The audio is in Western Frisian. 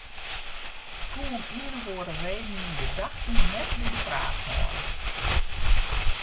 Ik koe om ien of oare reden myn gedachten net by de fraach hâlde.